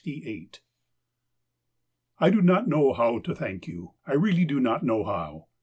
I DO not know how to thank you — I really do not know how.